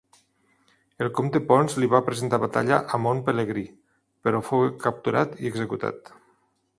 El comte Ponç li va presentar batalla a Mont Pelegrí, però fou capturat i executat.